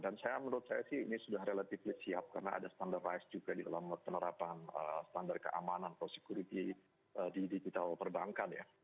menurut saya sih ini sudah relatif siap karena ada standar rice juga di dalam penerapan standar keamanan atau security di digital perbankan ya